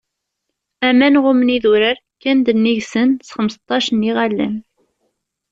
Aman ɣummen idurar, kkan-d nnig-sen s xemseṭṭac n iɣallen.